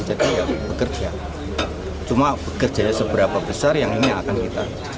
jadi ya bekerja cuma bekerjanya seberapa besar yang ini akan kita